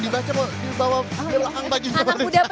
yang tersebut di asyik apa